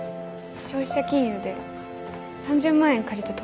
消費者金融で３０万円借りて投資しました。